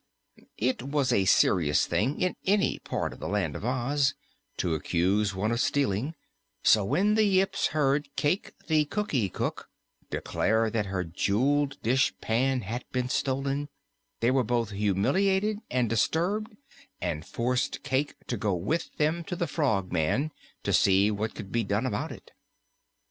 It was a serious thing in any part of the Land of Oz to accuse one of stealing, so when the Yips heard Cayke the Cookie Cook declare that her jeweled dishpan had been stolen, they were both humiliated and disturbed and forced Cayke to go with them to the Frogman to see what could be done about it.